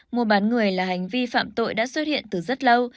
mua bán người là hành vi phạm tội đã xuất hiện từ rất lâu